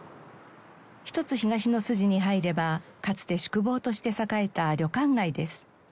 一つ東の筋に入ればかつて宿坊として栄えた旅館街です。